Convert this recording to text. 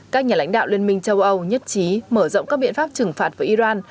các nhà lãnh đạo liên minh châu âu nhất trí mở rộng các biện pháp trừng phạt với iran